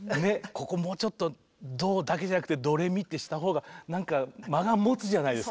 ここもうちょっとドだけじゃなくてドレミってしたほうがなんか間がもつじゃないですか。